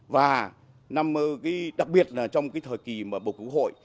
và đặc biệt trong thời kỳ bầu cử quốc hội